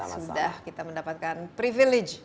sudah kita mendapatkan privilege